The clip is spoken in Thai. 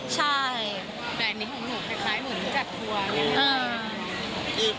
ใช่แบบนี้ของผมคล้ายเหมือนจัดทัวร์อย่างเงี้ย